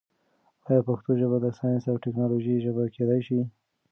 آیا پښتو ژبه د ساینس او ټیکنالوژۍ ژبه کېدای شي؟